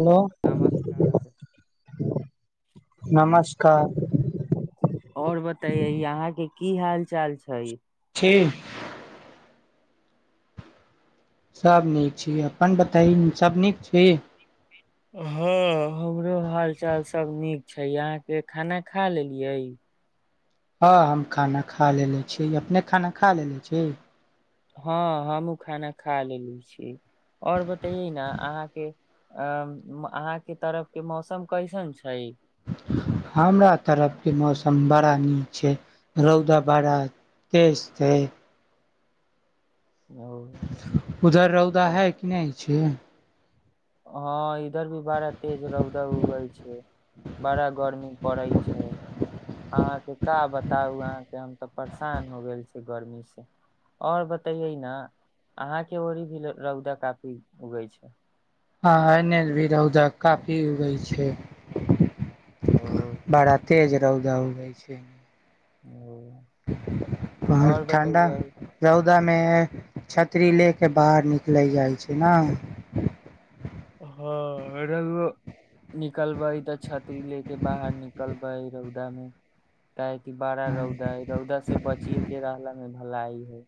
Hello नमस्कार नमस्कार और बतायै अहाँ के की हाल चाल छै ठीक सभ नीक छी अपन बताई सभ नीक छी हँ हमरो हाल चाल सभ नीक छै अहाँके खाना खा लेलियै हँ हम खाना खा लेले छी अपने खाना खा लेने छी हँ हमू खाना खा लेली छियै आओर बतयै ने अहाँ के अहाँ के तरफ के मौसम कैसन छै हमरा तरफके मौसम बड़ा नीक छै रौदा बड़ा तेज छै [unintelligible] उधर रौदा है कि नहि छै हँ इधर भी बड़ा तेज रौदा उगै छै बड़ा गर्मी पड़ै छै अहाँके का बताउ अहाँके हम तऽ परेशान हो गेल छै गर्मीसँ आओर बतैयै ने अहाँके ओरी भी रौदा काफी उगै छै हँ एने भी रौदा काफी उगै छै ओ बड़ा तेज रौदा उगै छै ओ और बतैयौ [unintelligible] रौदा मे छतरी ले के बाहर निकले जाइ छै ने हँ [unintelligible] निकलबे तऽ छतरी ले के बाहर निकल रौदामे काहे कि बड़ा रौदा है रौदा से बचिये के रहलामे भलाई हइ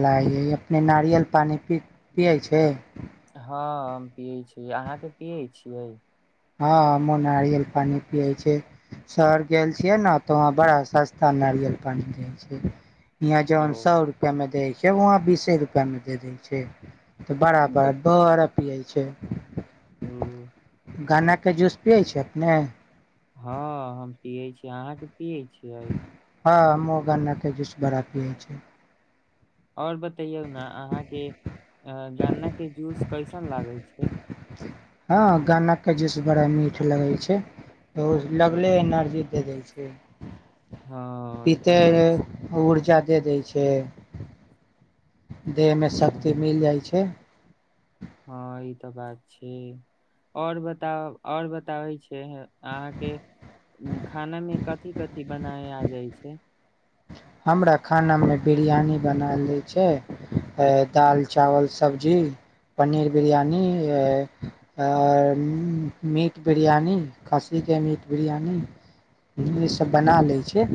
लाइ हियै अपने नारियल पानी पियै छै हँ हम पियै छी अहाँके पियै छियै हँ हम नारियल पानि पियै छै शहर गेल छियै ने तऽ वहाँ बड़ा सस्ता नारियल पानि दै छै ओ [unintelligible] वहाँ बीसे रुपआ मे दे दै छै बतैयौ [unintelligible] गन्नाके जूस पियै छै अपने हँ हम पियै छियै अहाँके पियै छियै हँ हमहूँ गन्ना के जूस बड़ा पियै छियै आओर बतैयौ ने अहाँके गन्नाके जूस कैसन लागै छै हँ गानाके जेस बड़ा मीठ लगै छै तऽ ओ लगले एनर्जी दे दै छै के हँ ई तऽ बात छै ऊर्जा दे दै छै देहमे शक्ति मिल हँ जाइ छै हँ ई तऽ बात छै आओर बता आओर बताबै छै अहाँके खानामे कथि कथि बनावे आ जाइ छै हमरा खानामे बिरयानी बना लै छै ए-दालि चावल सब्जी पनीर बिरयानी ए-आ मीट बिरियानी खस्सीके मीट बिरियानी ईसभ बना लै छै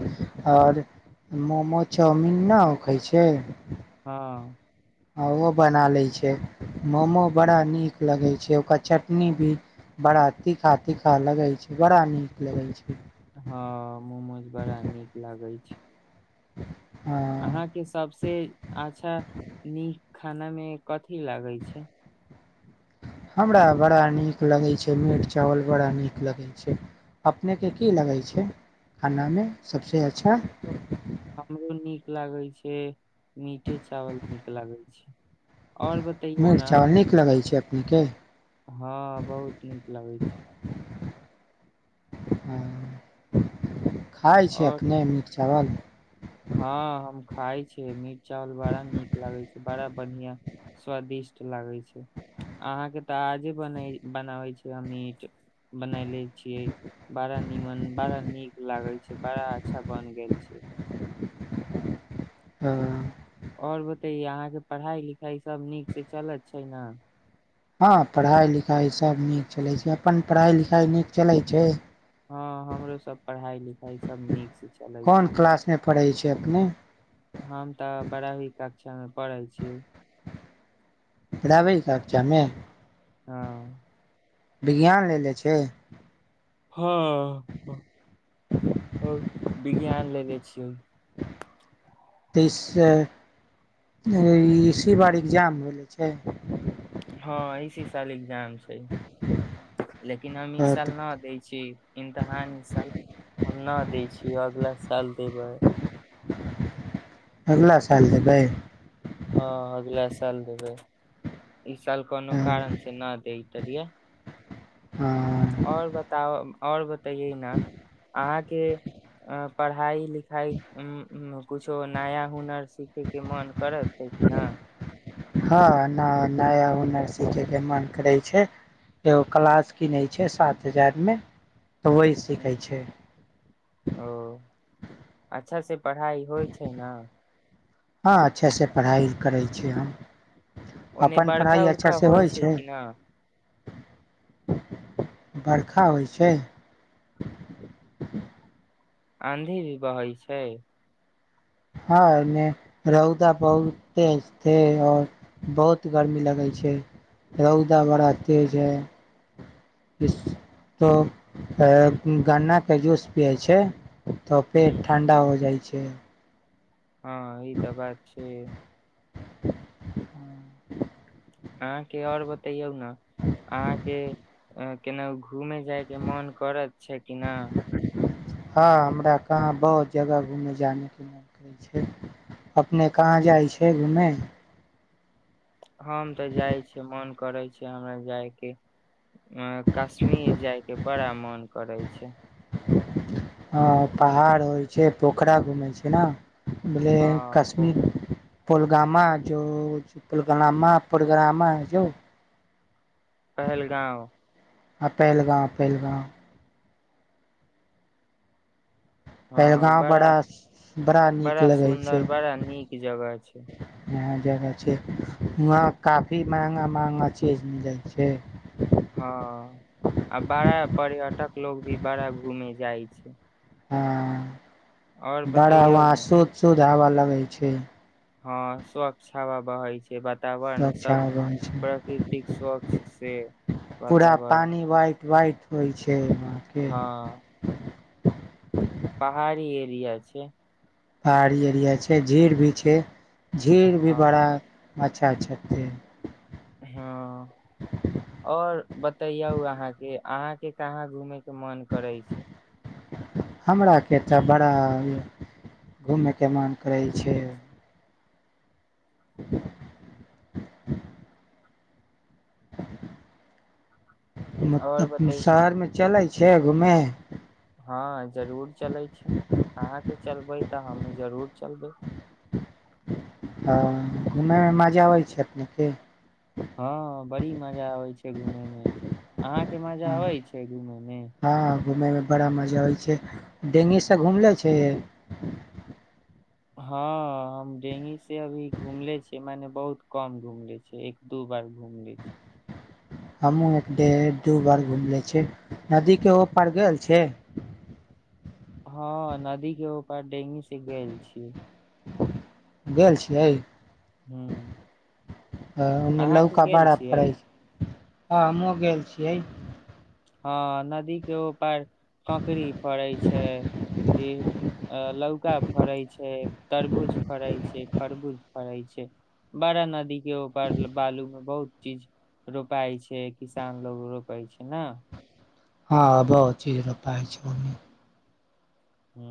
आओर मोमो चाउमिन न ओखै छै हँ ओ बना लै छै मोमो बड़ा नीक लगै छै ओकर चटनी भी बड़ा तीखा तीखा लगै छै बड़ा नीक लगै छै हँ मोमोज बड़ा नीक लागै छै हाँ। अहाँके सबसे अच्छा नीक खाना मे कथी लागै छै हमरा बड़ा नीक लगै छै मीट चावल बड़ा नीक लगै छै अपनेके की लगै छै खानामे सभसँ अच्छा हमरो नीक लागै छै मीटे चावल नीक लागै छै आओर बतैयौ मीट ने चावल नीक लगै छै अपनेके हँ बहुत नीक लागै छै हँ खाइ छै आओर अपने छै मीट [unintelligible] हँ हम खाय छियै मीट चावल बड़ा नीक लागै छै बड़ा बढ़ियाँ स्वादिष्ट लागै छै अहाँके तऽ आजे बने-बनाबै छियै मीट बनयले छियै बड़ा निमन बड़ा नीक लागै छै बड़ा अच्छा बन गेल छै हँ आओर बतैयै अहाँके पढ़ाई लिखाई सब नीक से चलै छै न हँ पढ़ाइ लिखाइ सभ नीक चलै छै अपन पढ़ाइ लिखाइ नीक चलै छै हँ हमरोसभ पढ़ाइ लिखाइ सभ नीकसँ चलै कोन छै क्लासमे पढ़ै छै अपने अच्छामे पढ़ै छी [unintelligible] हँ विज्ञान लेले छै हँ- ह विज्ञान लेेने छियै त इ सँ ऐं इसी बार एक्जाम भेलै छै हँ इसी साल एक्जाम छै लेकिन हम ई साल तऽ ना दै छी इम्तिहान ई साल हम ना दै छी अगला साल देबै अगला साल देबै हँ अगला साल देबै इ साल कोनो कारण से ना दैय [unintelligible] आओर बताउ आओर ब- तऽ य ना अहाँ के पढ़ाई लिखाई कुछो नया हुनर सीखै के मन करत हइ की ना हँ न-नया हुनर सीखैके मन करै छै एगो क्लास कीनै छै सात हजार मे तऽ ओही सीखै छै अच्छासे पढ़ाइ होइ छै न हँ अच्छासे पढ़ाइ करै छी हम ओन्ने अपन बरखा पढ़ाइ अच्छा उरखा से होइ छै की ना बरखा होइ छै आँधी भी बहै छै हँ ऐंन्ने रौदा बहुत तेज छै आओर बहुत गर्मी लगै छै रौदा बड़ा तेज है इस तो गन्ना के जूस पियै छै तऽ ह पेट ठण्डा हो जाइ छै के हँ ई तऽ बात छै अहाँके आओर बतैयौ न अहाँके ऐं [unintelligible] घूमे जाइ के मन करेऽ छै की न हँ हमरा कहाँ बहुत जगह घूमय जानेके मोन करै छै अपने कहाँ जाइ छै घूमे हम तऽ जाइ छियै मोन करै छै हमरा जाइ के कश्मीर जाइ के बड़ा मन करै छै हँ पहाड़ होइ छै पोखरा घूमेै छै न भले हँ प- कश्मीर [unintelligible] पहलगाँव आ पेहलगाँव पहलगाँव हँ बड़ा नीक बड़ा लगै छै सुन्दर बड़ा नीक जगह छै यहाँ जगह छै [unintelligible] महँगा महँगा चीज मिलै छै हँ आ बड़ा पर्यटक लोग भी बड़ा घूमे जाइ छै हँ आओर बड़ा बतैयौ उहाँ ने शुद्ध शुद्ध हवा लगै छै हँ स्वच्छ हवा बहै छै ब- वातावरण स्वच्छ सब हवा होइ छै प्रकृतिक स्वच्छ से पूरा वातावरण पानी व्हाइट व्हाइट होइ छै के वहाँ के हँ पहाड़ी एरिया छै पहाड़ी एरिया छै झील भी छै झील भी बड़ा हँ म- अच्छा अच्छा तीन हँ आओर बतैयौ अहाँके अहाँके कहाँ घुमे के मन करै छै हमरा के तऽ बड़ा घूमे के मन करै छै [inaudible] [inaudible] और मतलब बतै शहर मे चलै छै [unintelligible] हँ जरूर चलै छी अहाँके चलबै तऽ हमहुँ जरूर चलबै ह घूमेय मे मजा आबै छै अपनेके हँ बड़ी मजा आबे छै घूमे मे अहां के मजा आबे छै घूमे मे हँ घूमयमे बड़ा मजा आबै छै डेंगीसँ घूम लै छै [unintelligible] हमहूँ एक डेढ़ दू बार घुम ले छी नदीके ऊपर गेल छै हँ नदी के ऊपर डेंगी से गेल छी गेल छियै ह ह ओ अहाँके लौका गेल बाड़ा पड़ै छियै छै हँ हमहूँ गेल छियै हँ नदी के ओपार ककड़ी फड़ै छै फिर लौका फड़े छै तरबूज फड़ै छै खरबूज फड़ै छै बड़ा नदी के ऊपार बालू में बहुत चीज रोपाइ छै किसान लोग रोपै छै ने हँ बहुत चीज रोपाइ छै ओने हू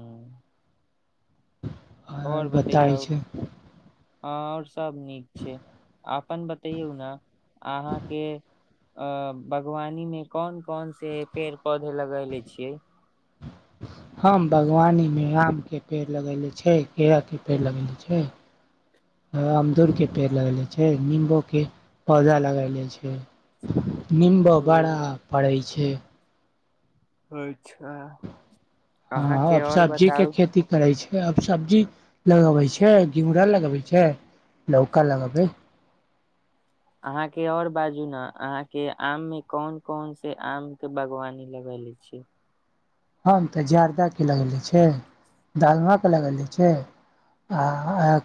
और आओर बताई बतैयौ छै हँ आओर सब नीक छै अपन बतैयौ ने अहाँके अ बागवानी मे कोन कोन से पेड़ पौधे लगेले छियै हम बागवानीमे आमके पेड़ लगयनेे छै केराके पेड़ लगयले छै ह अमरूदके पेर लगेले छै निम्बोके पौधा लगाएलै छै निम्बू बड़ा ह फड़ै छै अच्छा हँ अहाँके अब आओर सब्जी के बताउ खेती करै छै आब सब्जी लगबै छै घिउरा लगबै छै लौका लगबै अहाँके आऔर बाजू ने अहाँके आम मे कोन कोन से आम के बागवानी लगेले छी ह तऽ जर्दाके लगेने छै दालमाके लगयने छै आ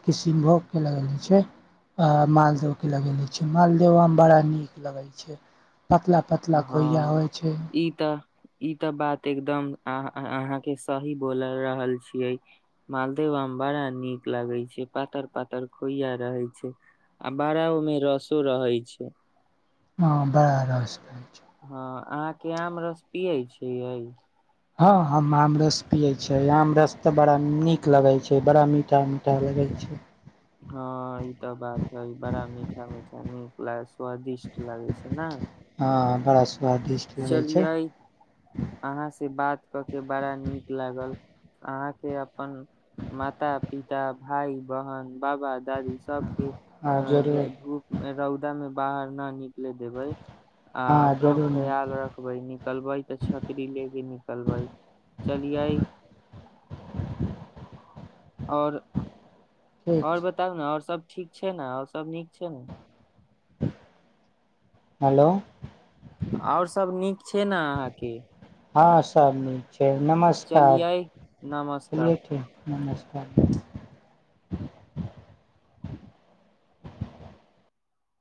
किशनभोगके लगेने छै आ मालदहके लगेने छै मालदह आम बड़ा नीक लगै छै पतला पतला खोइया हँ होइ छै ई तऽ ई तऽ बात एकदम अ अहाँके सही बोल रहल छियै मालदेव आम बड़ा नीक लगे छै पातर पातर खोइया रहै छै आ बड़ा ओमे रसो रहै छै हँ बड़ा रस रहय हँ अहाँके आम रस पियै छियै। हँ ह्म आमरस पियै छै, आमरस तऽ बड़ा नीक लगैत छै, बड़ा मीठ मीठ लगैत छै। हँ ई तऽ बात है बड़ा मीठा मीठा नीक लगे छै। स्वादिष्ट लागे छै न। हस चलिये अहाँ से बात क के बड़ा नीक लागल। अहाँ के अपन माता, पिता, भाई, बहन बाबा, दादी, सबके हँ जरूर अ धूप मे रौदा मे बाहर नानी ले देबई आ हँ अपनो जरूर मैम, खयाल रखबै निकलबै तऽ छतरी ले के निकलबै, चलियेई ओर ठीक ओर छै बताउ न आओर सब ठीक छै न आओर सब नीक छै न। हेलो। और सब नीक छै ने अहाँकी हँ सब निक छै। ए, नमस्कार, चलियै नमस्कार चलिए ठीक नमस्कार।